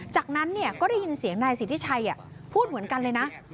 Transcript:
จากนั้นก็ได้ยินเสียงนายสิทธิชัยพูดเหมือนกันเลยนะ